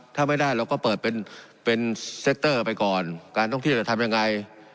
ถ้าไม่ได้เราก็เปิดเป็นเป็นเซ็กเตอร์ไปก่อนการท่องเที่ยวจะทำยังไง